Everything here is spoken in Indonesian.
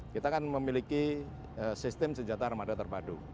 kita kan memiliki sistem senjata armada terpadu